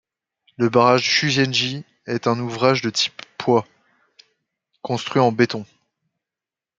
Le barrage Chūzenji est un ouvrage de type poids, construit en béton.